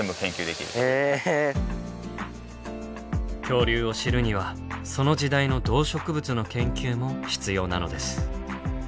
恐竜を知るにはその時代の動植物の研究も必要なのです。